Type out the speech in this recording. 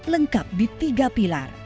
lengkap di tiga pilar